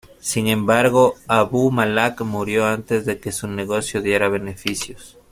Sin embargo, Abu Malak murió antes de que su negocio diera beneficios.